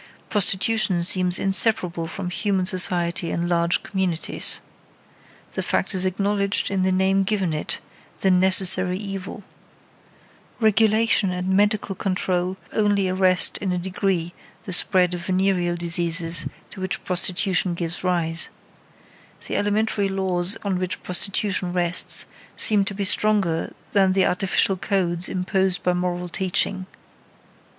Prostitution seems inseparable from human society in large communities. The fact is acknowledged in the name given it, "the necessary evil." Regulation and medical control only arrest in a degree the spread of venereal diseases to which prostitution gives rise. The elementary laws on which prostitution rests seems to be stronger than the artificial codes imposed by moral teaching.